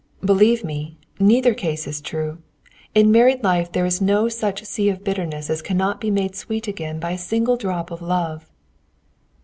"Believe me, neither case is true. In married life there is no such sea of bitterness as cannot be made sweet again by a single drop of love."